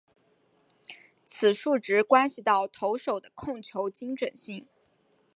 此数值关系到投手的控球精准度。